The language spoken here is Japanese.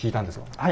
はい。